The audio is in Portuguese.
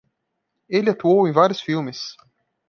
Ele atuou em vários filmes.